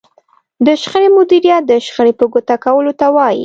د شخړې مديريت د شخړې په ګوته کولو ته وايي.